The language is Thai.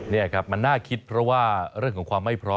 นี่ครับมันน่าคิดเพราะว่าเรื่องของความไม่พร้อม